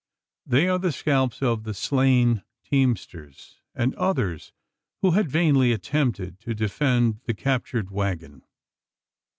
They are the scalps of the slain teamsters, and others who had vainly attempted to defend the captured waggon.